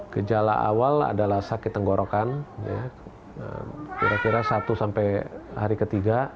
gejala awal adalah sakit tenggorokan kira kira satu sampai hari ketiga